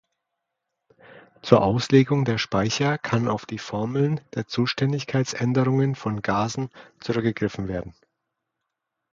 Zur Auslegung der Speicher kann auf die Formeln der Zustandsänderungen von Gasen zurückgegriffen werden.